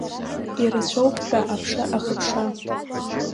Ирацәоуп ҳәа аԥша ахыԥша.